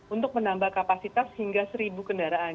untuk menambah kapasitas hingga seribu kendaraan